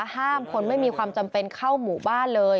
ห้ามคนไม่มีความจำเป็นเข้าหมู่บ้านเลย